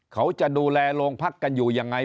เขาจะดูแลโรงพักกันอยู่ยังไง